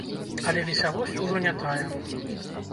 Але весялосць ўжо не тая.